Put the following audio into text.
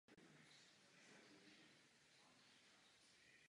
V této souvislosti bych chtěl říci toto.